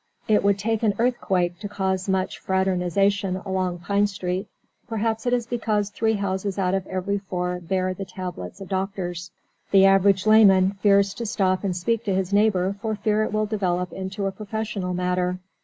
It would take an earthquake to cause much fraternization along Pine Street. Perhaps it is because three houses out of every four bear the tablets of doctors. The average layman fears to stop and speak to his neighbour for fear it will develop into a professional matter.